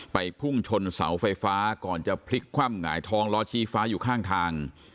พุ่งชนเสาไฟฟ้าก่อนจะพลิกคว่ำหงายท้องล้อชี้ฟ้าอยู่ข้างทาง